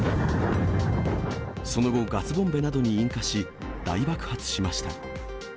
その後、ガスボンベなどに引火し、大爆発しました。